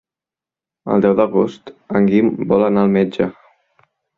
El deu d'agost en Guim vol anar al metge.